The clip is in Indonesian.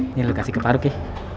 ini lo kasih ke paruk ya